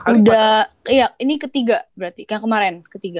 udah iya ini ketiga berarti kayak kemaren ketiga